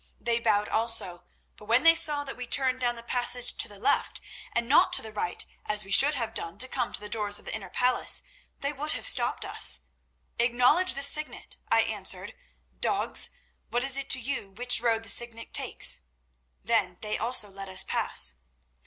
They bowed also, but when they saw that we turned down the passage to the left and not to the right, as we should have done to come to the doors of the inner palace, they would have stopped us. "'Acknowledge the Signet,' I answered. 'Dogs, what is it to you which road the Signet takes?' Then they also let us pass.